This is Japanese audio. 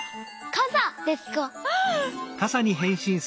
かさですか？